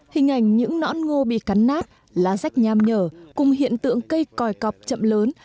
hình ảnh những nõn ngô bị cắn nát lá rách nham nhở cùng hiện tượng cây còi cọp chậm lớn